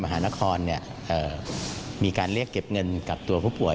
หานครมีการเรียกเก็บเงินกับตัวผู้ป่วย